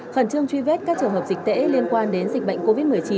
khẩn trương truy vết các trường hợp dịch tễ liên quan đến dịch bệnh covid một mươi chín